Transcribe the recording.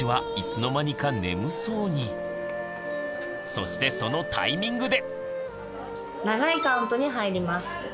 そしてそのタイミングで。